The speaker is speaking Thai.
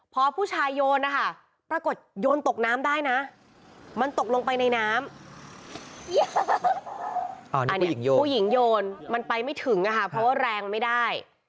พอผู้ชายโยนนะคะปรากฏโยนตกน้ำได้นะมันตกลงไปในน้ำอันนี้ผู้หญิงโยนมันไปไม่ถึงนะคะเพราะว่าแรงไม่ได้